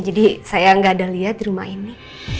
jadi saya gak ada liat di rumah ini